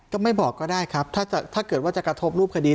ก็ไม่บอกก็ได้ครับถ้าเกิดว่าจะกระทบรูปคดี